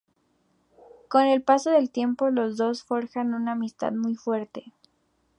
Con el paso del tiempo los dos forjan una amistad muy fuerte.